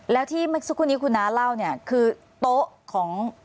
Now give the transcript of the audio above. แล้วที่เมื่อสักครู่นี้คุณน้าเล่าเนี่ยคือโต๊ะของ